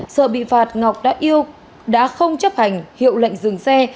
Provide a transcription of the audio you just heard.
sợ bị phạt ngọc đã không chấp hành hiệu lệnh dừng xe